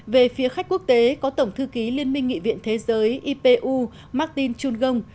về phía khách quốc tế có tổng thư ký liên minh nghị viện thế giới ipu martin chungong